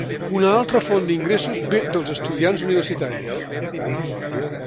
Una altra font d'ingressos ve dels estudiants universitaris.